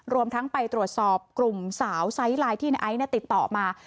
รวมทั้งไปตรวจสอบกลุ่มสาวไซส์ไลน์ที่ในไอซ์ติดต่อมา